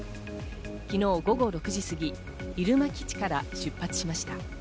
昨日午後６時すぎ、入間基地から出発しました。